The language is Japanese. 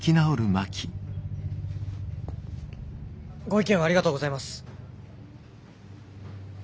ご意見をありがとうございます。